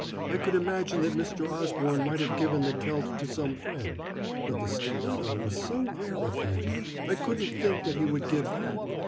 I could imagine that Mr. Osborne might have given the celt to some friend. But the stiletto was so rare a thing I couldn't think that he would give that.